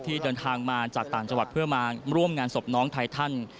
เดินทางมาจากต่างจังหวัดเพื่อมาร่วมงานศพน้องไททัน